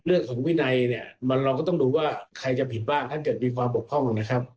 เรื่องของวินัยเนี่ยมันเราก็ต้องดูว่าใครจะผิดบ้างถ้าเกิดมีความบกพร่องนะครับ